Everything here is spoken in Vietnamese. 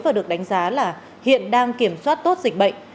và được đánh giá là hiện đang kiểm soát tốt dịch bệnh